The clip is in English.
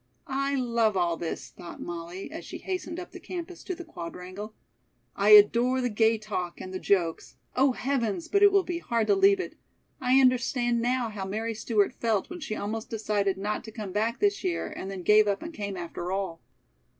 "I love all this," thought Molly, as she hastened up the campus to the Quadrangle. "I adore the gay talk and the jokes oh, heavens, but it will be hard to leave it! I understand now how Mary Stewart felt when she almost decided not to come back this year and then gave up and came after all."